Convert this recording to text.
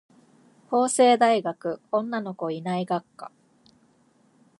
法政大学女の子いない学科